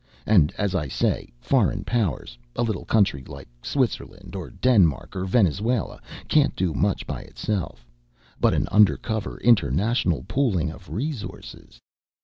And, as I say, foreign powers. A little country like Switzerland or Denmark or Venezuela can't do much by itself, but an undercover international pooling of resources....